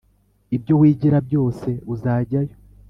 ibyo wigira byose uzajyayo